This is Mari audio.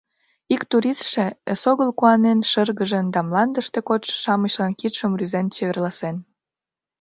Ик туристше эсогыл куанен шыргыжын да мландыште кодшо-шамычлан кидшым рӱзен чеверласен.